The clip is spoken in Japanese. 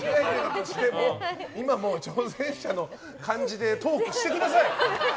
今もう、挑戦者の感じでトークしてください。